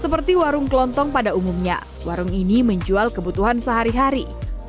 seperti yang terlihat pada pencarian peta digital warung ini menjual kebutuhan sehari hari